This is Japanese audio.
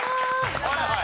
はいはい。